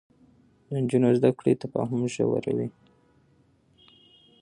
د نجونو زده کړه تفاهم ژوروي.